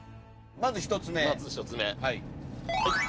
まず１つ目。